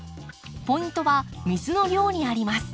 ポイントは水の量にあります。